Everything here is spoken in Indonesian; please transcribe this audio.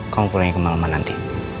kamu pulangnya kemalaman nanti